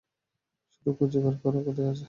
শুধু খুঁজে বের কর কোথায় আছে।